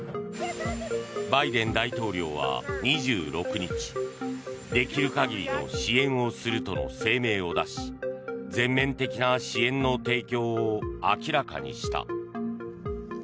バイデン大統領は２６日できる限りの支援をするとの声明を出し全面的な支援の提供を明らかにした。